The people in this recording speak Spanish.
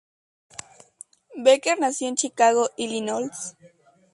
Becker nació en Chicago, Illinois.